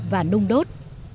và nung đốt